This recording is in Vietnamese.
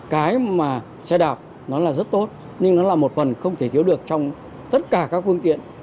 cái mà xe đạp nó là rất tốt nhưng nó là một phần không thể thiếu được trong tất cả các phương tiện